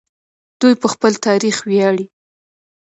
دوی په خپل تاریخ ویاړي.